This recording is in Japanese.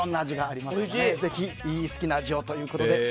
ぜひ好きな味をということで。